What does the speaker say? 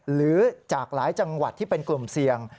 หรือจากหลายจังหวัดที่เป็นกลุ่มเสี่ยง